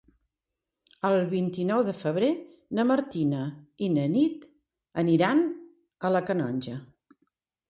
El vint-i-nou de febrer na Martina i na Nit aniran a la Canonja.